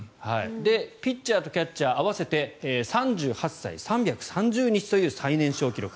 ピッチャーとキャッチャー合わせて３８歳３３０日という最年少記録。